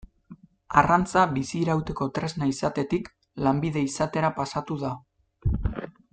Arrantza bizi irauteko tresna izatetik lanbide izatera pasatu da.